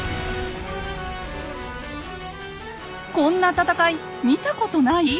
こんな戦い見たことない？